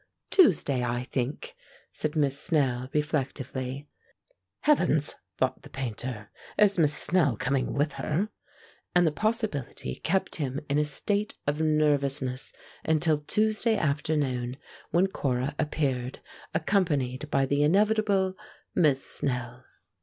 "Tuesday, I think," said Miss Snell, reflectively. "Heavens!" thought the Painter. "Is Miss Snell coming with her?" And the possibility kept him in a state of nervousness until Tuesday afternoon, when Cora appeared, accompanied by the inevitable Miss Snell.